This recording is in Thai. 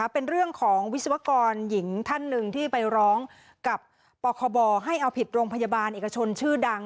เป็นเรื่องของวิศวกรหญิงท่านหนึ่งที่ไปร้องกับปคบให้เอาผิดโรงพยาบาลเอกชนชื่อดัง